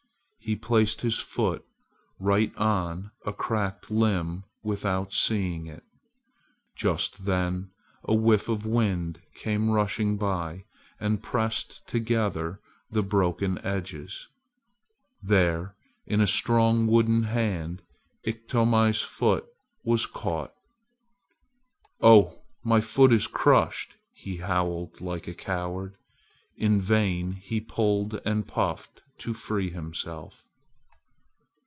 He placed his foot right on a cracked limb without seeing it. Just then a whiff of wind came rushing by and pressed together the broken edges. There in a strong wooden hand Iktomi's foot was caught. "Oh! my foot is crushed!" he howled like a coward. In vain he pulled and puffed to free himself.